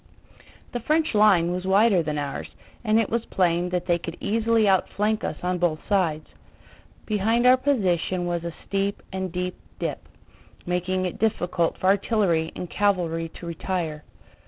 The French line was wider than ours, and it was plain that they could easily outflank us on both sides. Behind our position was a steep and deep dip, making it difficult for artillery and cavalry to retire.